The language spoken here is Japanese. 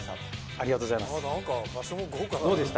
ありがとうございます。